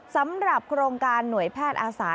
สำหรับโครงการหน่วยแพทย์อาสา